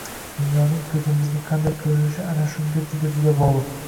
dunyoning ko‘zimizga qanday ko‘rinishi ana shunga juda-juda bog‘liq...